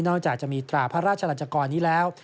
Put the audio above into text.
จากจะมีตราพระราชลันจกรนี้แล้ว